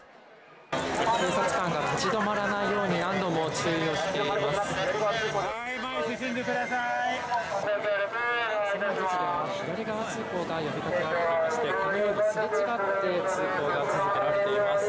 警察官が立ち止まらないように何度も注意しています。